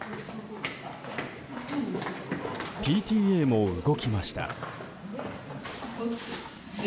ＰＴＡも動きました。